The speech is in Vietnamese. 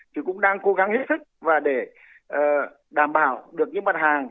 thì cũng đang cố gắng hết sức và để đảm bảo được những mặt hàng